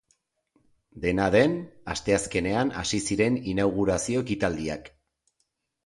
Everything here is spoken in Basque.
Dena den, asteazkenean hasi ziren inaugurazio ekitaldiak.